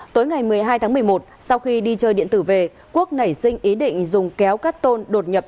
tối ngày một mươi hai tháng một mươi một sau khi đi chơi điện tử về quốc nảy sinh ý định dùng kéo cắt tôn đột nhập